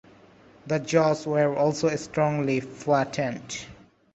The jaws were also strongly flattened.